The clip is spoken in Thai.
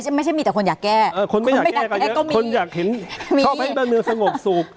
ไหมไม่รู้มายากแก้คนไม่อยากเหนียงมาบ้างอยากรอบจูบ